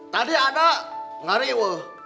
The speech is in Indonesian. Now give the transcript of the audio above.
tadi ada ngari weh